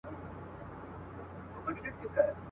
د شعرونو کتابچه وای.